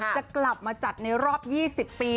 จะกลับมาจัดในรอบ๒๐ปี